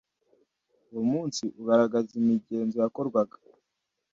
Uwo munsi ugaragaza imigenzo yakorwaga